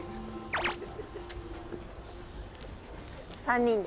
３人で。